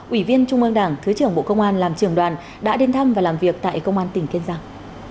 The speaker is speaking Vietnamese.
ủy viên trung ương đảng thứ trưởng bộ công an làm trường đoàn đã đến thăm và làm việc tại công an tỉnh kiên giang